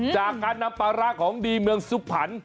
จากการนำปลาร้าของดีเมืองสุพรรณ